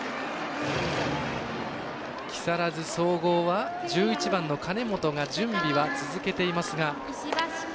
木更津総合は１１番の金本が準備を続けていますが。